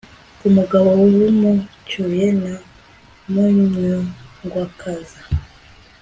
kumugabo wamucyuye na munyungwakaza